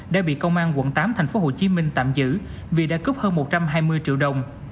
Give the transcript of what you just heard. đã bị công an quận tám tp hcm tạm giữ vì đã cướp hơn một trăm hai mươi triệu đồng